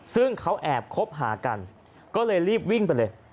ซึ่งเขาแอบคบหากันก็เลยรีบวิ่งไปเลย